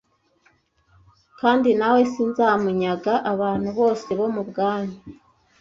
Kandi na we sinzamunyaga abantu bose bo mu bwami